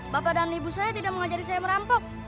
bapak dan ibu saya tidak mengajari saya merampok